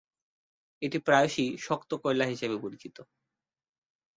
এটি প্রায়শই শক্ত কয়লা হিসাবে পরিচিত।